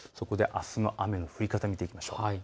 あすの雨の降り方を見ていきましょう。